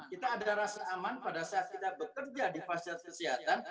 kita ada rasa aman pada saat kita bekerja di fasilitas kesehatan